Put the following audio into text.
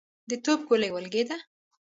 د توپ ګولۍ ولګېده.